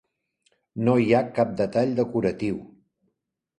No hi ha cap detall decoratiu.